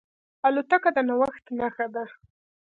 الوتکه د نوښت نښه ده.